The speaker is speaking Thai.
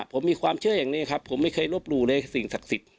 ผมมีความเชื่ออย่างนี้ครับผมไม่เคยลบหลู่เลยสิ่งศักดิ์สิทธิ